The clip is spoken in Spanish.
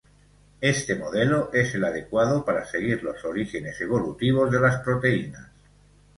Este modelo es el adecuado para seguir los orígenes evolutivos de las proteínas.